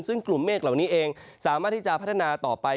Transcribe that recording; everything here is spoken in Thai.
ซึ่งกลุ่มเมฆเหล่านี้เองสามารถที่จะพัฒนาต่อไป